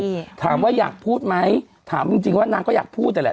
ฯคือที่ฯถามว่าอยากพูดไหมถามจริงว่านางเขาอยากพูดแหละ